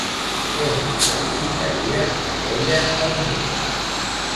On s'edificaria aquella ermita?